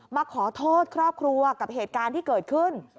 มาขอโทษครอบครัวกับเหตุการณ์ที่เกิดขึ้น